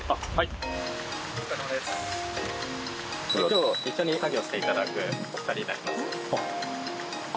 今日一緒に作業して頂くお二人になります。